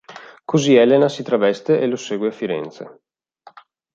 Così, Elena si traveste e lo segue a Firenze.